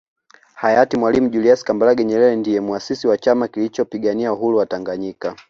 Hayati Mwalimu Julius Kambarage Nyerere ndiye Muasisi wa Chama kilichopigania uhuru wa Tanganyika